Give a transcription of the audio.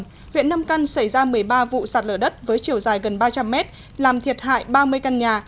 tại huyện đầm rơi xảy ra một mươi ba vụ sạt lở đất với chiều dài hơn ba trăm linh mét lập thiệt hại ba mươi căn nhà